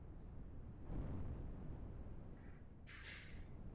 Stál v čele veškerého kulturního života ve městě Bzenci i na celém okresu.